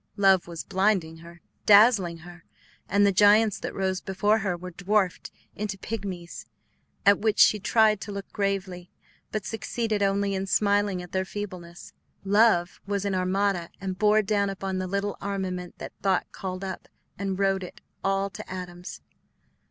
Love was blinding her, dazzling her; and the giants that rose before her were dwarfed into pygmies, at which she tried to look gravely, but succeeded only in smiling at their feebleness. Love was an Armada, and bore down upon the little armament that thought called up, and rode it all to atoms.